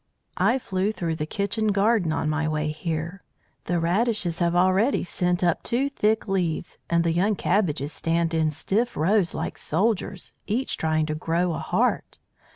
"I flew through the kitchen garden on my way here. The radishes have already sent up two thick leaves, and the young cabbages stand in stiff rows like soldiers, each trying to grow a heart.